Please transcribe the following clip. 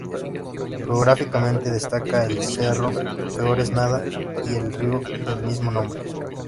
Geográficamente, destaca el cerro "Peor es Nada" y el río del mismo nombre.